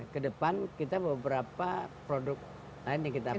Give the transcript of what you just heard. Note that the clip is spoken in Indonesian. kedepan kita beberapa produk lain yang kita pakai